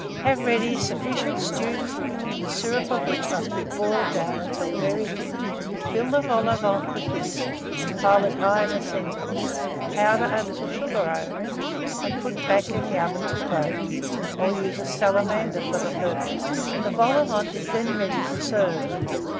Have ready sufficient stewed fruit, the syrup of which must be boiled down until very thick; fill the vol au vent with this, and pile it high in the centre; powder a little sugar over it, and put it back in the oven to glaze, or use a salamander for the purpose: the vol au vent is then ready to serve.